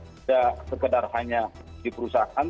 tidak sekedar hanya di perusahaan